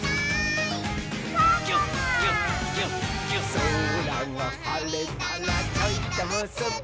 「そらがはれたらちょいとむすび」